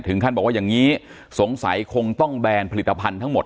ท่านบอกว่าอย่างนี้สงสัยคงต้องแบนผลิตภัณฑ์ทั้งหมด